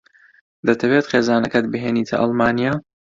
دەتەوێت خێزانەکەت بهێنیتە ئەڵمانیا؟